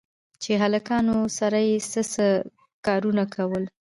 چې هلکانو سره يې څه څه کارونه کول.